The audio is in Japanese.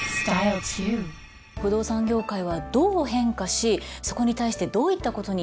不動産業界はどう変化しそこに対してどういったことに力を入れていますか？